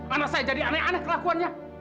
mana saya jadi aneh aneh kelakuannya